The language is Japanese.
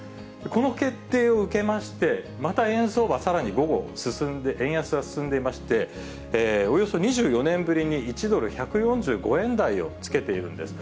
この決定を受けまして、また円相場、さらに午後、円安が進んでいまして、およそ２４年ぶりに１ドル１４５円台をつけているんです。